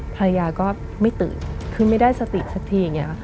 ภรรยาก็ไม่ตื่นคือไม่ได้สติสักทีอย่างนี้ค่ะ